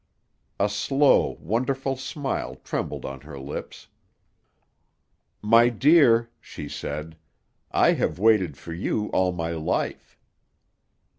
A slow wonderful smile trembled on her lips. "My dear," she said; "I have waited for you all my life."